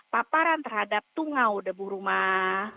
paparan terhadap tungau debu rumah